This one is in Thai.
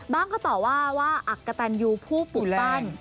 บ้างเขาตอบว่าอักกะตันยูผู้ปุ่นปั้น